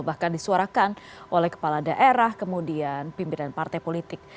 bahkan disuarakan oleh kepala daerah kemudian pimpinan partai politik